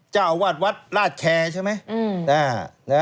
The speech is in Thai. เจ้าอาวาสวัดราชแคร์ใช่ไหม